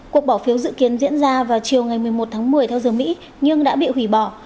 cuộc bỏ phiếu dự kiến diễn ra vào chiều ngày một mươi một tháng một mươi theo giờ mỹ nhưng đã bị hủy bỏ